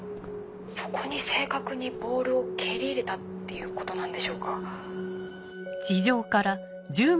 そこに正確にボールを蹴り入れたっていうことなんでしょうか。